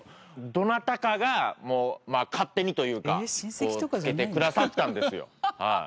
どなたかが勝手にというか付けてくださったんですよ。